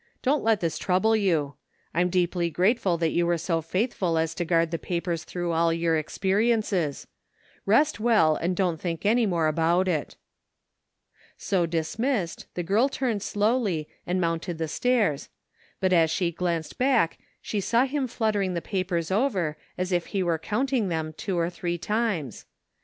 Don't let this trouble you* Fm deeply grateful that you were so faithful as to guard the papers through all your experiences. Rest well and don't think any more about it." So dismissed, the girl timied slowly and mounted the stairs, but as she glanced back she saw him flutter ing the papers over as if he were counting them two or three times.